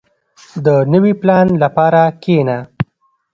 • د نوي پلان لپاره کښېنه.